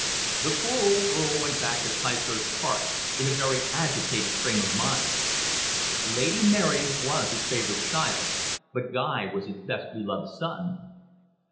The poor old Earl went back to Ticehurst Park in a very agitated frame of mind. Lady Mary was his favourite child, but Guy was his best beloved son.